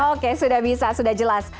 oke sudah bisa sudah jelas